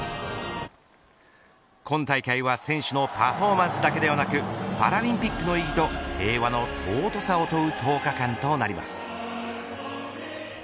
今大会は選手のパフォーマンスだけではなくパラリンピックの意義と平和の尊さを問う１０日間となります。